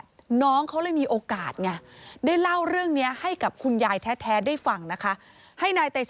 ซึ่งพ่อกับแม่ยและแยกทางกัน